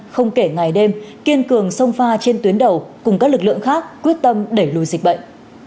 không kể ngày đêm kiên cường sông pha trên tuyến đầu cùng các lực lượng khác quyết tâm đẩy lùi dịch bệnh